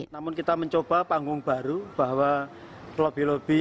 namun kita mencoba panggung baru bahwa lobby lobby